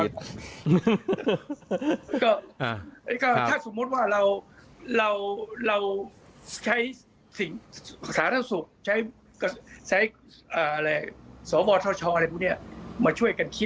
ถ้าสมมุติว่าเราใช้สาธารณสุขใช้สวทชมาช่วยกันคิด